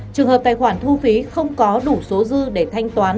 trường hợp tài khoản thu phí không có đủ số dư để thanh toán